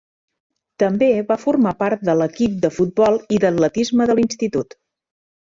També va formar part de l'equip de futbol i d'atletisme de l'institut.